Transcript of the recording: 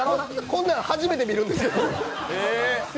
こんなん初めて見るんですけど。